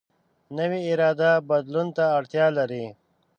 نوې اراده بدلون ته اړتیا لري